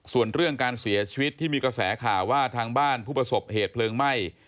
ส่วนเรื่องการเสียชีวิตที่มีกระแสข่าวว่าทางบ้านผู้ประสบเหตุเพลิงไหม้